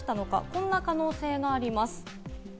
こんな可能性があります。